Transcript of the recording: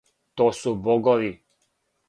То су богови.